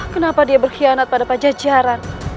kenapa dia berkhianat pada pajajaran